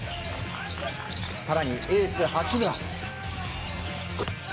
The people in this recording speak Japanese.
更に、エース八村。